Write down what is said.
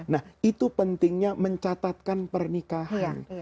nah itu pentingnya mencatatkan pernikahan